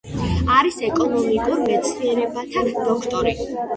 არის ეკონომიკურ მეცნიერებათა დოქტორი.